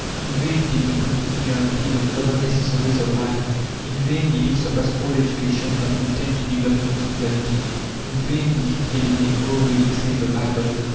In vain did the community guarantee the common necessaries of life, in vain did it suppress all education that would tend to develop individuality, in vain did it eliminate all reading save the Bible.